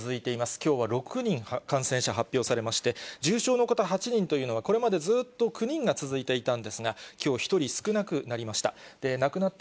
きょうは６人、感染者発表されまして、重症の方８人というのは、これまでずっと９人が続いていたんですが、きょう１人少なくなりました。